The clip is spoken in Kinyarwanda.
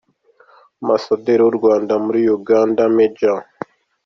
Ambasaderi w’u Rwanda muri Uganda, Maj.